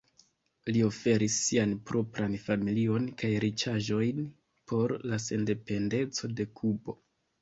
Li oferis sian propran familion kaj riĉaĵojn por la sendependeco de Kubo.